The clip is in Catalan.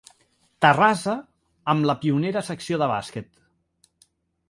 Terrassa, amb la pionera secció de bàsquet.